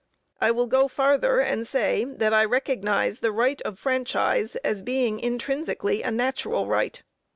I will go farther and say, that I recognize the right of franchise as being intrinsically a natural right.